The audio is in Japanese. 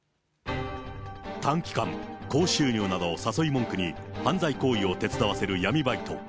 短期間、高収入などを誘い文句に犯罪行為を手伝わせる闇バイト。